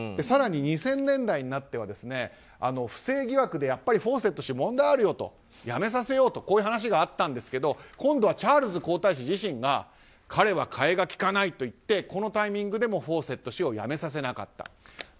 更に２０００年代になっては不正疑惑でやっぱりフォーセット氏は問題あるよと辞めさせようという話があったんですが今度はチャールズ皇太子自体が彼は替えがきかないといってこのタイミングでもフォーセット氏を辞めさせなかった。